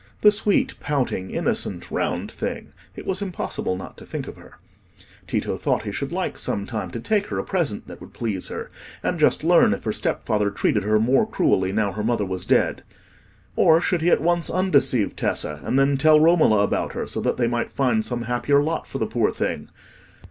The sweet, pouting, innocent, round thing! It was impossible not to think of her. Tito thought he should like some time to take her a present that would please her, and just learn if her step father treated her more cruelly now her mother was dead. Or, should he at once undeceive Tessa, and then tell Romola about her, so that they might find some happier lot for the poor thing?